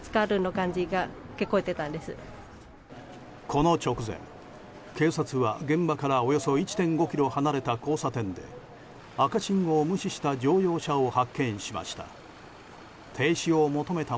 この直前、警察は現場からおよそ１．５ｋｍ離れた交差点で赤信号を無視した乗用車を発見しました。